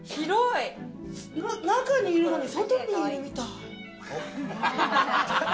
中にいるのに外にいるみたい。